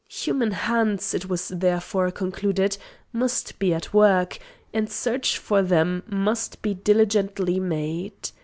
Human hands, it was therefore concluded, must be at work, and search for them must be diligently made.